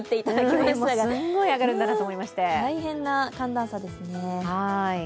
大変な寒暖差ですね。